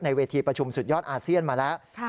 เวทีประชุมสุดยอดอาเซียนมาแล้ว